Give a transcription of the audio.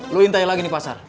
lu intai lagi nih pasar